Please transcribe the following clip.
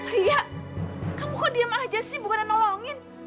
lia kamu kok diam aja sih bukan nolongin